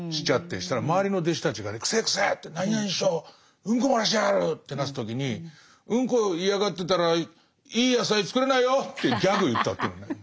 そしたら周りの弟子たちがね「くせえくせえ」って「何々師匠うんこ漏らしてやがる」ってなった時に「うんこ嫌がってたらいい野菜作れないよ」ってギャグ言ったっていうんだよ。